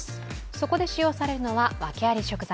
そこで使用されるのはわけあり食材。